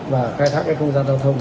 và khai thác cái không gian giao thông